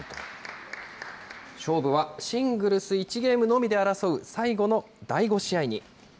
勝負はシングルス１ゲームのみで争う最後の第５試合に。